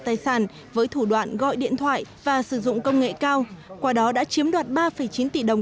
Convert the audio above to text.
tài sản với thủ đoạn gọi điện thoại và sử dụng công nghệ cao qua đó đã chiếm đoạt ba chín tỷ đồng